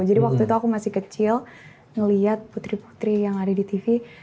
jadi waktu itu aku masih kecil ngelihat putri putri yang ada di tv